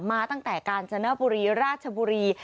มาตั้งแต่กาญจนบุรีราชบุรี